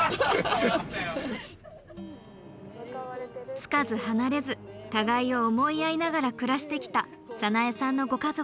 付かず離れず互いを思い合いながら暮らしてきた早苗さんのご家族。